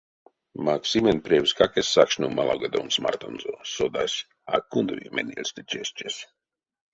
Максимень превскак эзь сакшно малавгадомс мартонзо, содась — а кундави менельстэ тештесь.